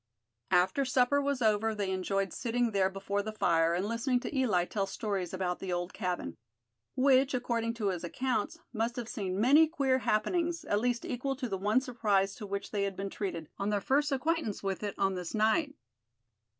After supper was over they enjoyed sitting there before the fire, and listening to Eli tell stories about the old cabin; which, according to his accounts, must have seen many queer happenings at least equal to the one surprise to which they had been treated, on their first acquaintance with it on this night.